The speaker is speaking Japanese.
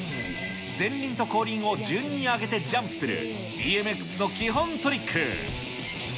前輪と後輪を順に上げてジャンプする、ＢＭＸの基本トリック。